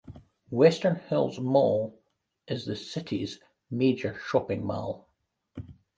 Western Hills Mall is the city's major shopping mall.